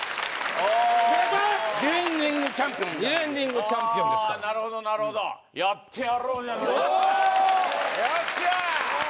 ああディフェンディングチャンピオンディフェンディングチャンピオンですからなるほどなるほどよっしゃ！